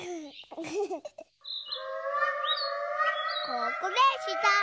ここでした。